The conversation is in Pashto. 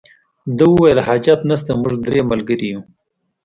ده وویل حاجت نشته موږ درې ملګري یو.